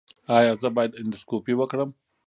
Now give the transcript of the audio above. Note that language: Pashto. ایا زه باید اندوسکوپي وکړم؟